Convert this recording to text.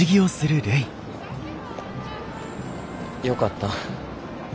よかった。